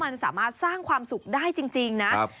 มันสามารถสร้างความสุขได้จริงนะ